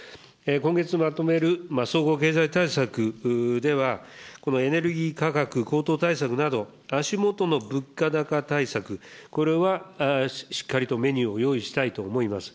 今月まとめる総合経済対策では、このエネルギー価格高騰対策、足下の物価高対策、これはしっかりとメニューを用意したいと思います。